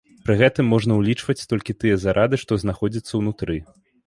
Пры гэтым можна ўлічваць толькі тыя зарады, што знаходзяцца ўнутры.